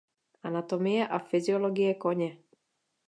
Anatomie a fyziologie koně.